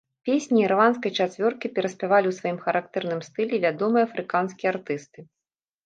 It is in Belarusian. Песні ірландскай чацвёркі пераспявалі ў сваім характэрным стылі вядомыя афрыканскія артысты.